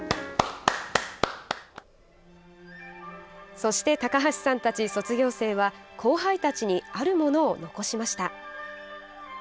そして高橋さんたち卒業生は後輩たちにあるものを残しました。